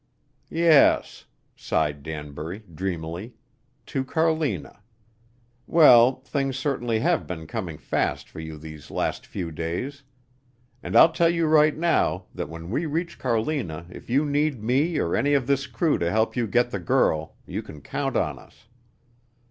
"Yes," sighed Danbury, dreamily, "to Carlina. Well, things certainly have been coming fast for you these last few days. And I'll tell you right now that when we reach Carlina if you need me or any of this crew to help you get the girl, you can count on us.